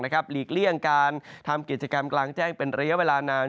หลีกเลี่ยงการทำกิจกรรมกลางแจ้งเป็นระยะเวลานาน